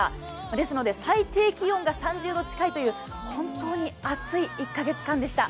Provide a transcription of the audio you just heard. ですので最低気温が３０度近いという本当に暑い１か月間でした。